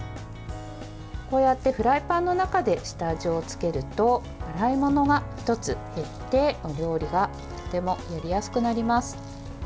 こうやってフライパンの中で下味をつけると洗い物が１つ減ってお料理がとてもやりやすくなります。